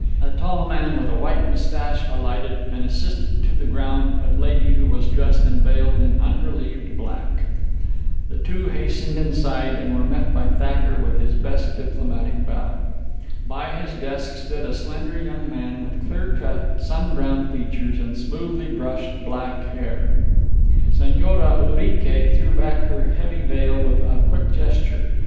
A tall man with a white moustache alighted, and assisted to the ground a lady who was dressed and veiled in unrelieved black. The two hastened inside, and were met by Thacker with his best diplomatic bow. By his desk stood a slender young man with clear cut, sun browned features and smoothly brushed black hair. Señora Urique threw back her black veil with a quick gesture.